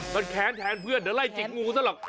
มันแค้นแทนเพื่อนเดี๋ยวไล่จิกงูซะหรอก